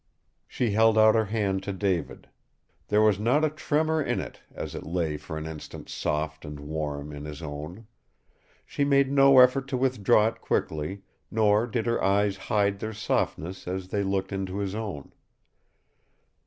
She held out her hand to David. There was not a tremor in it as it lay for an instant soft and warm in his own. She made no effort to withdraw it quickly, nor did her eyes hide their softness as they looked into his own.